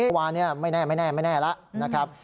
เมื่อวานไม่แน่ไม่แน่ไม่แน่แล้วนะครับ